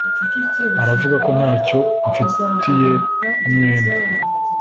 Uravuga ko ntacyo umfitiye umwenda